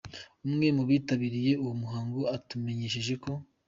Umwe mu bibitabiriye uwo muhango atumenyesheje ko